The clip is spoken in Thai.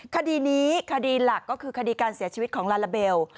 คดีนี้คดีหลักก็คือคดีการเสียชีวิตของลาลาเบล